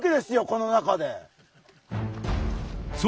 この中で。